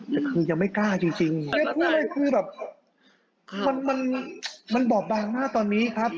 แต่คือยังไม่กล้าจริงไม่พูดเลยคือแบบมันมันบอบบางมากตอนนี้ครับ